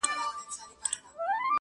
هم دي د سرو سونډو په سر كي جـادو.